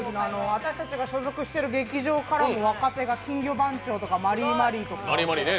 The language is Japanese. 私たちが所属している劇場からも若手が金魚番長とかマリーマリーとか。